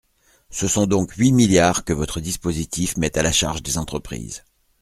Ce sont donc huit milliards que votre dispositif met à la charge des entreprises.